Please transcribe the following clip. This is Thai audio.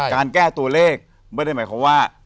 การแก้ตัวเลขไม่ได้หมายความว่า